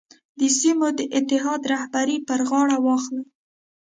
د سیمو د اتحاد رهبري پر غاړه واخلي.